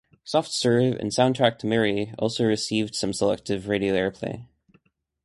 "Soft Serve" and "Soundtrack to Mary" also received some selective radio airplay.